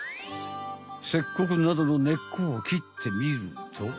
セッコクなどの根っこをきってみると。